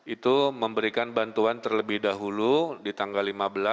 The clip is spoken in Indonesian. itu memberikan bantuan terlebih dahulu di tanggal lima belas